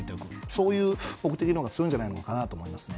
そういう目的のほうが強いんじゃないかと思います。